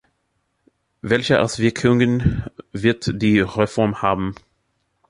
Welche Auswirkungen wird die Reform haben?